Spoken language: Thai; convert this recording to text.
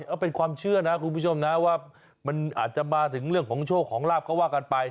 เอาเป็นความเชื่อนะคุณผู้ชมนะว่ามันอาจจะมาถึงเรื่องของโชคของลาบก็ว่ากันไป